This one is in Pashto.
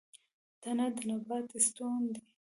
تنه د نبات ستون دی